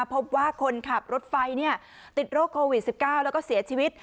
พบว่าคนขับรถไฟติดโรคโควิด๑๙แล้วก็เสียชีวิต